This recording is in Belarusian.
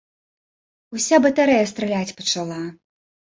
Уся батарэя страляць пачала.